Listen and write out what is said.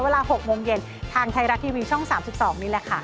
เวลา๖โมงเย็นทางไทยรัฐทีวีช่อง๓๒นี่แหละค่ะ